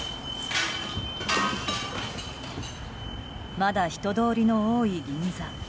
まだ人通りの多い銀座。